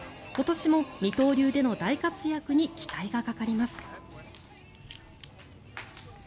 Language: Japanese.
今年も二刀流での大活躍に期待がかかります。